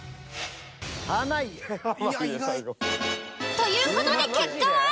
という事で結果は？